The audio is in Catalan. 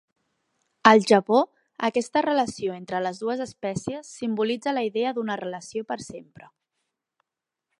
Al Japó, aquesta relació entre les dues espècies simbolitza la idea d'una relació per sempre.